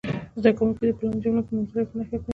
زده کوونکي دې په لاندې جملو کې نومځري په نښه کړي.